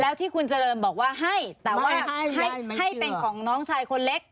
แล้วที่คุณเจริญบอกว่าให้แต่ว่าให้เป็นของน้องชายคนเล็ก